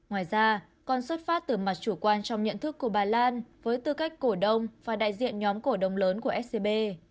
ngoài ra còn xuất phát từ mặt chủ quan trong nhận thức của bà lan với tư cách cổ đông và đại diện nhóm cổ đông lớn của scb